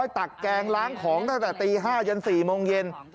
ตักแกงล้างของตั้งแต่ตี๕จน๔โมงเย็น